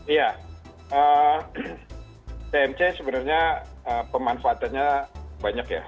iya tmc sebenarnya pemanfaatannya banyak ya